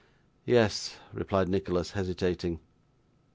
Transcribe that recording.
'Yes,' replied Nicholas, hesitating.